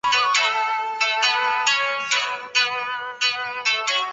阿尔马尼亚克拉巴斯提德人口变化图示